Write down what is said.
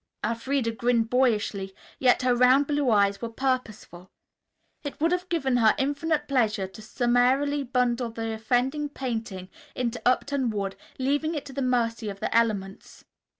Elfreda grinned boyishly, yet her round blue eyes were purposeful. It would have given her infinite pleasure to summarily bundle the offending painting into Upton Wood, leaving it to the mercy of the elements.